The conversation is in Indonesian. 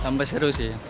sampai seru sih